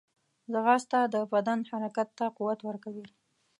ځغاسته د بدن حرکت ته قوت ورکوي